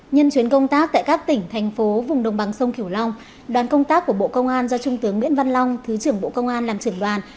nhân chuyến công tác tại các tỉnh thành phố vùng đồng bằng sông kiểu long đoàn công tác của bộ công an do trung tướng nguyễn văn long thứ trưởng bộ công an làm trưởng đoàn